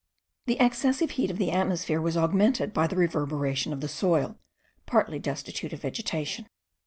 The excessive heat of the atmosphere was augmented by the reverberation of the soil, partly destitute of vegetation.